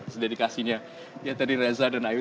sededikasinya ya tadi reza dan ayu